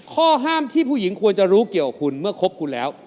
ข้อห้ามที่ผู้หญิงควรจะรู้เกี่ยวกับคุณเมื่อคบคุณแล้ว